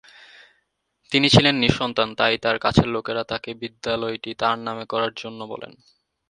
তিনি ছিলেন নিঃসন্তান তাই তার কাছের লোকেরা তাকে বিদ্যালয়টি তার নামে করার জন্য বলেন।